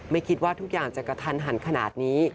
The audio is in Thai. ไม่คิดว่าทุกอย่างจะกระทันหันขนาดนี้